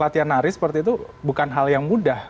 latihan nari seperti itu bukan hal yang mudah